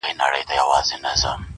سره ورک یې کړل زامن وروڼه پلرونه-